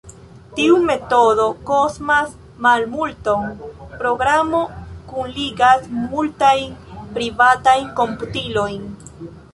Tiu metodo kostas malmulton: Programo kunligas multajn privatajn komputilojn.